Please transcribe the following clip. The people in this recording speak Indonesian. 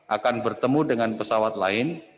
akan bertemu dengan pesawat lain